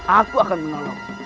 aku akan menolong